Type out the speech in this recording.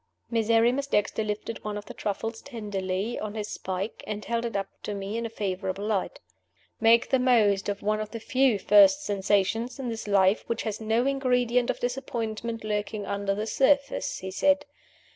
Miserrimus Dexter lifted one of the truffles tenderly on his spike, and held it up to me in a favorable light. "Make the most of one of the few first sensations in this life which has no ingredient of disappointment lurking under the surface," he said.